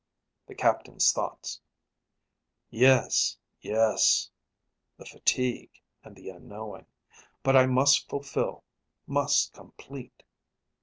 "_ _The captain's thoughts; Yes, yes. The fatigue and the unknowing. But I must fulfill, must complete.